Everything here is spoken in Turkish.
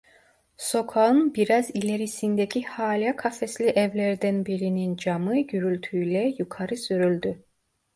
Sokağın biraz ilerisindeki hâlâ kafesli evlerden birinin camı gürültüyle yukarı sürüldü.